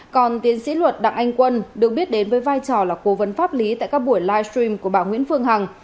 còn tiến sĩ luật đặng anh quân được biết đến với vai trò là cố vấn pháp lý tại các buổi livestream của bà nguyễn phương hằng